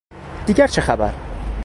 دیگر چه خبر؟